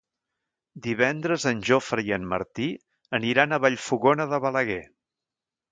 Divendres en Jofre i en Martí aniran a Vallfogona de Balaguer.